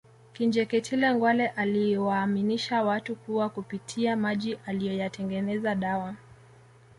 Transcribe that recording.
Kinjeketile Ngwale aliyewaaminisha watu kuwa kupitia maji aliyoyatengeneza dawa